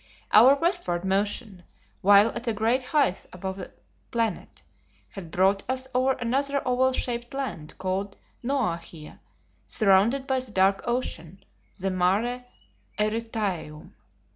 Our westward motion, while at a great height above the planet, had brought us over another oval shaped land called "Noachia," surrounded by the dark ocean, the "Mare Erytraeum."